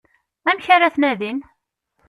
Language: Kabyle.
Amek ara t-nadin?